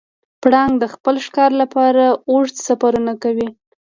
پړانګ د خپل ښکار لپاره اوږده سفرونه کوي.